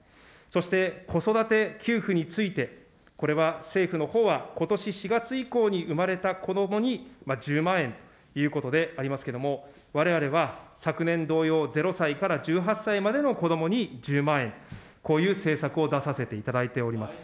そして、子育て給付について、これは政府のほうは、ことし４月以降に生まれた子どもに１０万円ということでありますけれども、われわれは昨年同様、０歳から１８歳までの子どもに１０万円、こういう政策を出させていただいております。